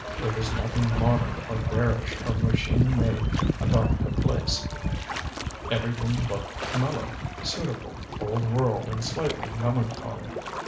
There was nothing modern or garish or machine made about the place. Everything looked mellow, suitable, old world and slightly melancholy.